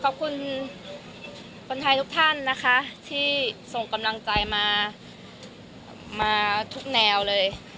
ขอบคุณคนไทยทุกท่านนะคะที่ส่งกำลังใจมาทุกแนวเลย